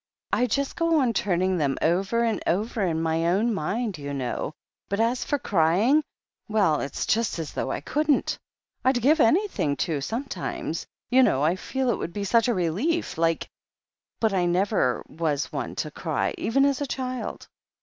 I just go on turning them over and over in my own mind, you know. But as for crying — ^well, it's just as though THE HEEL OF ACHILLES 135 I couldn't. I'd give anything to, sometimes — ^you know, I feel it would be such a relief, like — ^but I never was one to cry, even as a child."